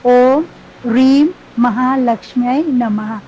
โอมรีมมหาลักษมินมหา